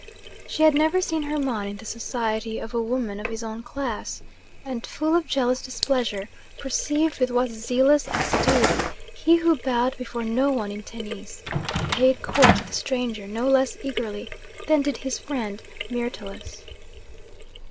She had never seen Hermon in the society of a woman of his own class, and, full of jealous displeasure; perceived with what zealous assiduity he who bowed before no one in Tennis, paid court to the stranger no less eagerly than did his friend Myrtilus.